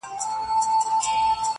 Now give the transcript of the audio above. سپرلی ټینګه وعده وکړي چي راځمه,